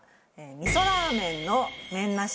味噌ラーメンの麺なし？